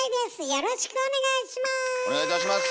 よろしくお願いします。